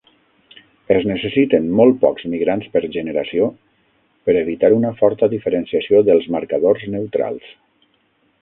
Es necessiten molt pocs migrants per generació per evitar una forta diferenciació dels marcadors neutrals.